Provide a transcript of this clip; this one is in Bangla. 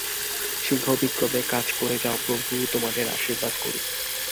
সিংহবিক্রমে কাজ করে যাও, প্রভু তোমাদের আশীর্বাদ করুন।